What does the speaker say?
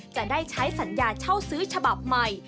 จะได้ใช้สัญญาเช่าซื้อฉบับใหม่